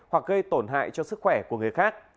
hoặc gây tổn hại cho sức khỏe của người khác